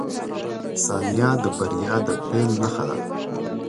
• ثانیه د بریا د پیل نښه ده.